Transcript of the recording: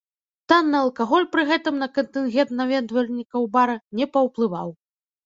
Танны алкаголь пры гэтым на кантынгент наведвальнікаў бара не паўплываў.